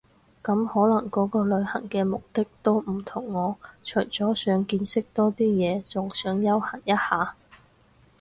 咁可能個個旅行嘅目的都唔同我除咗想見識多啲嘢，仲想休閒一下